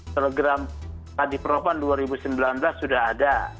program tadi propan dua ribu sembilan belas sudah ada